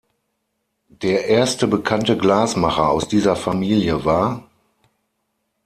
Der erste bekannte Glasmacher aus dieser Familie war